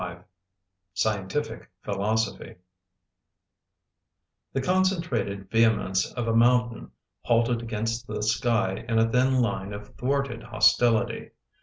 SCIENTIFIC PHILOSOPHY THE concentrated vehemence of a mountain halted against the sky in a thin line of thwarted hostility.